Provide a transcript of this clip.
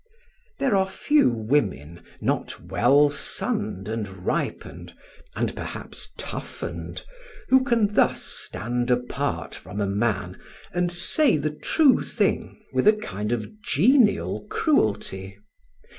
There are few women, not well sunned and ripened, and perhaps toughened, who can thus stand apart from a man and say the true thing with a kind of genial cruelty.